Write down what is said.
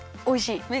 おいしい？